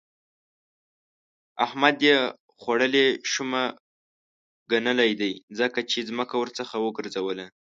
احمد يې خوړلې شومه ګنلی دی؛ ځکه يې ځمکه ورڅخه وګرځوله.